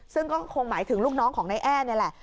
ซึ่งก็คงหมายถึงลูกน้องของนายแอร์นี่แหละ